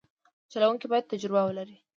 چلوونکی باید تجربه ولري.